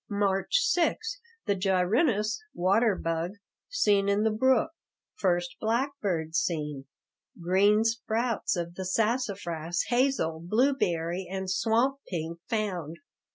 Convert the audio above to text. March 6 The gyrinus (water bug) seen in the brook. First blackbird seen. Green sprouts of the sassafras, hazel, blueberry, and swamp pink found.